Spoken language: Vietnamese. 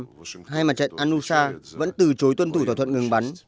thay mặt chạy anusha vẫn từ chối tuân thủ thỏa thuận ngừng bắn